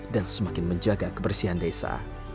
dan semakin menjaga kebersihan desa